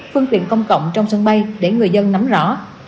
phương tiện công cộng trong sân bay để người dân nắm rõ